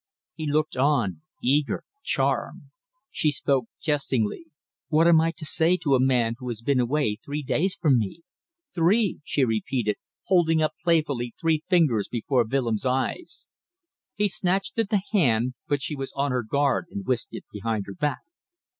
He looked on, eager charmed. She spoke jestingly. "What am I to say to a man who has been away three days from me? Three!" she repeated, holding up playfully three fingers before Willems' eyes. He snatched at the hand, but she was on her guard and whisked it behind her back.